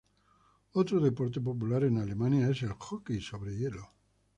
Otro deporte popular en Alemania es el Hockey sobre hielo.